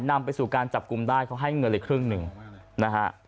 นำไปสู่การจับกลุ่มได้เขาให้เงินเลยครึ่งหนึ่งนะฮะ